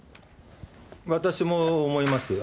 私も思います。